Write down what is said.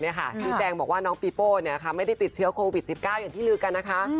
ชี้แจงบอกว่าน้องปีโป้ไม่ได้ติดเชื้อโควิด๑๙อย่างที่ลือกันนะคะ